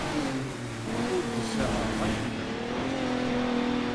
Ur d-ssaɣeɣ acemma.